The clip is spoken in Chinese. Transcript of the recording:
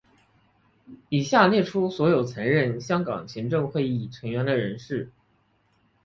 以下列出所有曾任香港行政会议成员的人士。